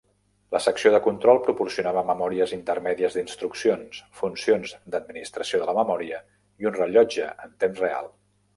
La secció de control proporcionava memòries intermèdies d'instruccions, funcions d'administració de la memòria i un rellotge en temps real.